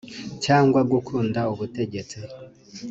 cyangwa gukunda ubutegetsi